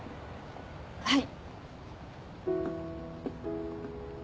はい。